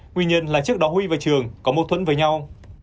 nguyên nhân là trước đó huy và trường có mâu thuẫn với nhau